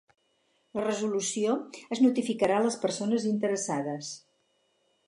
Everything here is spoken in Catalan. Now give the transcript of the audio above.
La resolució es notificarà a les persones interessades.